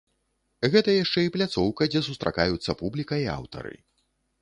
Гэта яшчэ і пляцоўка, дзе сустракаюцца публіка і аўтары.